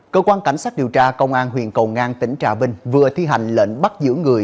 cơ quan cảnh sát điều tra công an huyện cầu ngang tỉnh trà vinh vừa thi hành lệnh bắt giữ người